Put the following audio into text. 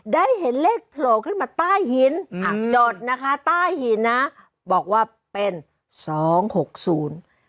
ได้เห็นเลขโผล่ขึ้นมาใต้หินอ่ะจดนะคะใต้หินนะบอกว่าเป็นสองหกศูนย์